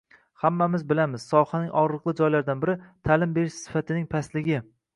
Hammamiz bilamiz, sohaning og‘riqli joylaridan biri – ta’lim berish sifatining pastligi.